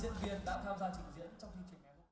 đã tham gia trình diễn trong chương trình này